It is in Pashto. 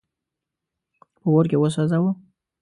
په اور کي وسوځاوه.